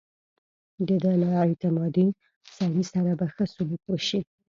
د ده له اعتمادي سړي سره به ښه سلوک وشي.